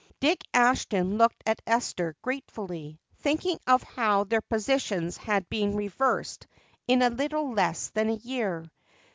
Dick Ashton looked at Esther gratefully, thinking of how their positions had been reversed in a little less than a year.